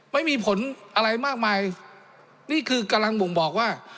ไม่มีผลอะไรมากมายนี่คือกำลังบ่งบอกว่า